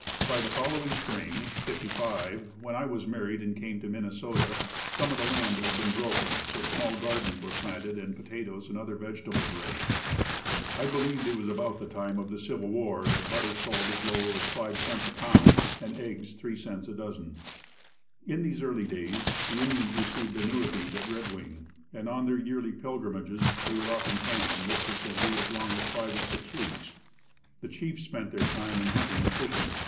By the following spring, '55, when I was married and came to Minnesota some of the land had been broken, so small gardens were planted and potatoes and other vegetables raised. I believe it was about the time of the civil war that butter sold as low as 5c a pound and eggs 3c a dozen. In these early days the Indians received annuities at Red Wing and on their yearly pilgrimages they would often camp in this vicinity as long as five or six weeks. The chiefs spent their time in hunting and fishing.